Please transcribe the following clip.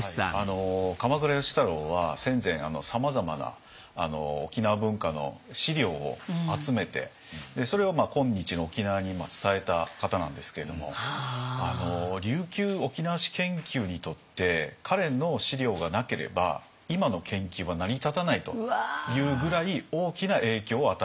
鎌倉芳太郎は戦前さまざまな沖縄文化の資料を集めてそれを今日の沖縄に伝えた方なんですけれども琉球沖縄史研究にとって彼の資料がなければ今の研究は成り立たないというぐらい大きな影響を与えた。